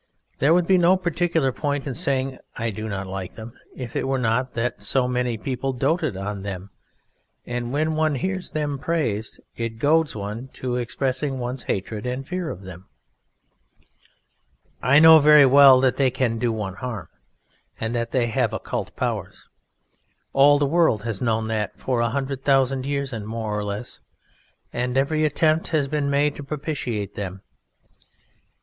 There would be no particular point in saying I do not like Them if it were not that so many people doted on Them, and when one hears Them praised, it goads one to expressing one's hatred and fear of Them. I know very well that They can do one harm, and that They have occult powers. All the world has known that for a hundred thousand years, more or less, and every attempt has been made to propitiate Them.